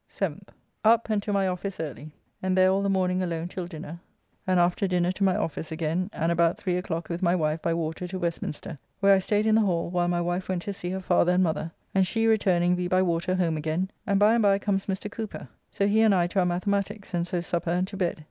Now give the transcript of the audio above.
7th. Up and to my office early, and there all the morning alone till dinner, and after dinner to my office again, and about 3 o'clock with my wife by water to Westminster, where I staid in the Hall while my wife went to see her father and mother, and she returning we by water home again, and by and by comes Mr. Cooper, so he and I to our mathematiques, and so supper and to bed.